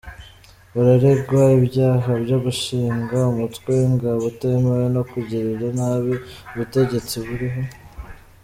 Bararegwa ibyaha byo gushinga umutwe w’ingabo utemewe no kugirira nabi ubutegetsi buriho.